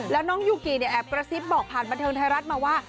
แล้วน้องยูกิเนี่ยแอบกระซิบบอกผ่านบันเทิงไทยรัฐมาว่า